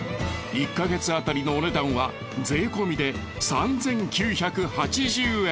１か月あたりのお値段は税込で３，９８０円。